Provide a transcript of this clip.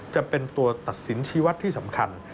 จะเป็นตัวตัดสินชีวัตรที่สำคัญ